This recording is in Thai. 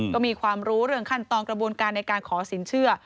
ก็มีความรู้เรื่องขั้นตอนกระบวนการในการขอสินเชื่อ